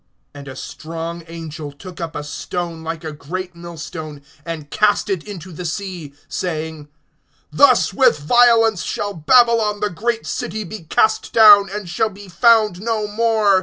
(21)And a strong angel took up a stone like a great millstone, and cast it into the sea, saying: Thus with violence shall Babylon the great city be cast down, and shall be found no more.